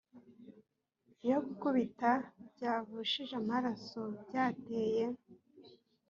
iyo gukubita byavushije amaraso byateye